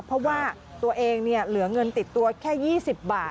เพราะว่าตัวเองเหลือเงินติดตัวแค่๒๐บาท